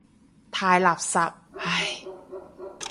太垃圾，唉。